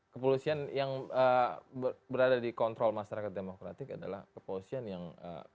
kepolisian yang berada dikontrol masyarakat demokratik adalah kepolisian yang